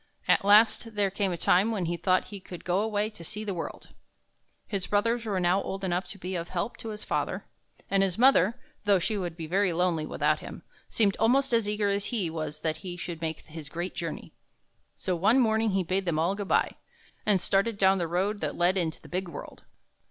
At last there came a time when he thought he could go away to see the world. His brothers were now old enough to be of 5 ° w ) KG;, So one morning he bade them all good bye Page 5/ THE HUNT FOR THE BEAUTIFUL help to his father; and his mother, though she would be very lonely without him, seemed almost as eager as he was that he should make his great journey. So one morning he bade them all good by, and started down the road that led into the big world.